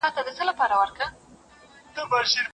انسانان چي له غوایانو په بېلېږي